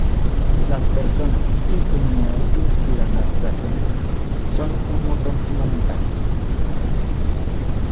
Las personas y comunidades que inspiran las creaciones son un motor fundamental.